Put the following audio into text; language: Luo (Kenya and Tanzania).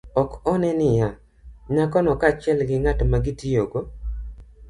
Ok one niya, nyako no kaachiel gi ng'at ma gitiyogo